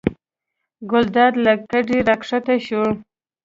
ګلداد له کټه راکښته شو.